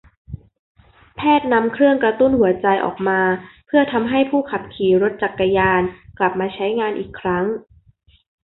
แพทย์นำเครื่องกระตุ้นหัวใจออกมาเพื่อทำให้ผู้ขับขี่รถจักรยานยนต์กลับมาใช้งานอีกครั้ง